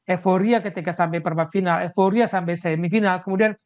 euforia ketika sampai perempat final euforia sampai semifinal kemudian